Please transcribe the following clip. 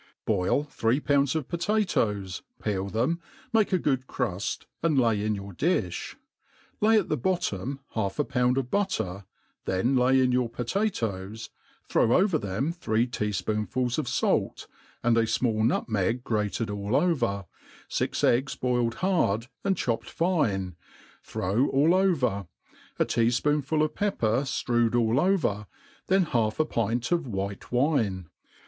BOIL three pounds of potatoes, peel them, make a good , craft, and lay in your difli ; lay at the bottom half a pound of butter, then lay in your potatoes, throw over them three tea fpoonfuls of fait, and a fmall nutmeg grated all over, fix eggs boiled hard, and chopped fine, throw all oy.er, a tea fpoontul of pepper ftrewed all over, then half a pint of white wine.